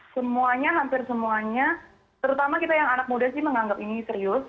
semuanya hampir semuanya terutama kita yang anak muda sih menganggap ini serius